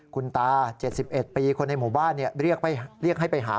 คุณตา๗๑ปีคนในหมู่บ้านเรียกให้ไปหา